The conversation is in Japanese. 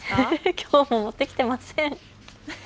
きょうも持ってきていません。